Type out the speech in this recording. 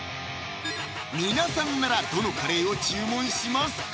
皆さんならどのカレーを注文しますか？